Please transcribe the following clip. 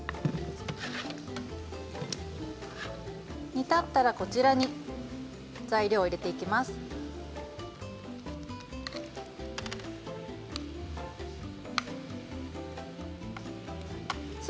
煮立ったらこちらに材料を入れていきます。